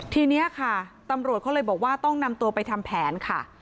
ทีนี้ค่ะตำรวจเขาเลยบอกว่าต้องนำตัวไปทำแผนค่ะ